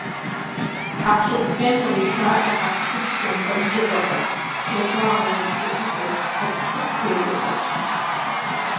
Хьэкъущыкъу фӀейм кърешалӀэ хьэпщхупщ зэмылӀэужьыгъуэхэр, щобагъуэ уз Ӏейхэр къезыхьэкӀ бактериехэр.